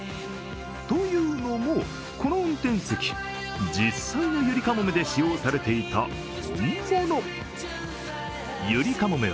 というのも、この運転席、実際のゆりかもめで使用されていた本物。